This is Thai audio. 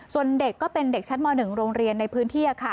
ส่วนเด็กก็เป็นเด็กชั้นม๑โรงเรียนในพื้นที่